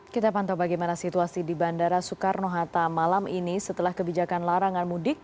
kita pantau bagaimana situasi di bandara soekarno hatta malam ini setelah kebijakan larangan mudik